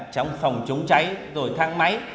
trong phòng chống cháy rồi thang máy